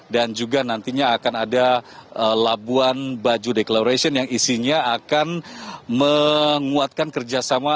dan juga nantinya akan ada labuan baju declaration yang isinya akan menguatkan kerjasama